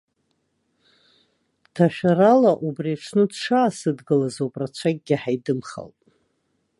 Ҭашәарала убри аҽны дшаасыдгылаз ауп рацәакгьы ҳаидымхалт.